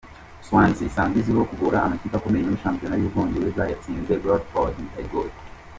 Swansea isanzwe izwiho kugora amakipe akomeye muri shampiyona y’Ubwongereza, yatsinze Bradford bitayigoye.